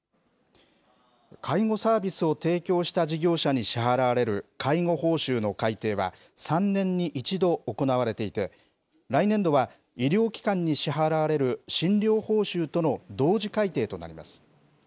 介護サービスを提供した事業者に支払われる介護報酬の改定は、３年に１度行われていて、来年度は医療機関に支払われる診療報酬との同時改定となります。